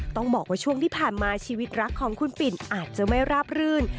ต้องบอกว่าช่วงที่ผ่านมาชีวิตรักของคุณปิ่นอาจจะไม่ราบรื่น